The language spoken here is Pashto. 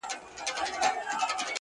• هر نادر سره قادر سته -